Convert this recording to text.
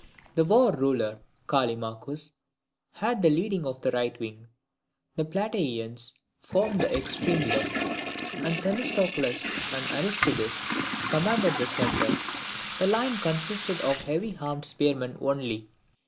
The War Ruler, Callimachus, had the leading of the right wing; the Plataeans formed the extreme left; and Themistocles and Aristides commanded the centre. The line consisted of the heavy armed spearmen only.